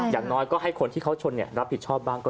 อย่างน้อยก็ให้คนที่เขาชนรับผิดชอบบ้างก่อน